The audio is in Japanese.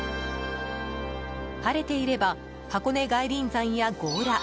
晴れていれば箱根外輪山や強羅